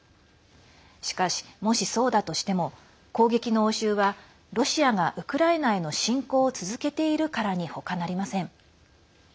しかし、もし、そうだとしても攻撃の応酬はロシアがウクライナへの侵攻を続けているからに他なりません。